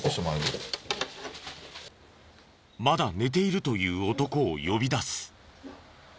まだ寝ているという男を呼び出す。